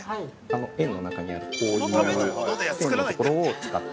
◆円の中にあるこういう線のところを使って。